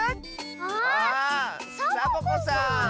あサボ子さん。